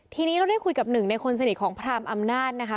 ทีนี้เราได้คุยกับหนึ่งในคนสนิทของพรามอำนาจนะคะ